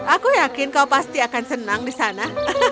aku yakin kau pasti akan senang di sana